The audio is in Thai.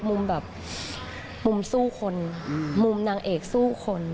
มุมแบบมุมสู้คนมุมนางเอกสู้คน